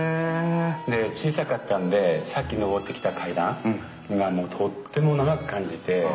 小さかったのでさっき上ってきた階段がとっても長く感じて。